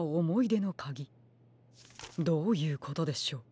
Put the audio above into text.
どういうことでしょう？